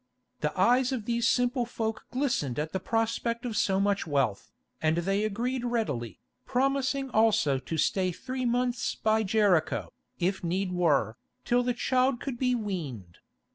The eyes of these simple folk glistened at the prospect of so much wealth, and they agreed readily, promising also to stay three months by Jericho, if need were, till the child could be weaned.